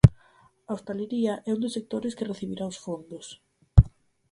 A hostalaría é un dos sectores que recibirá os fondos.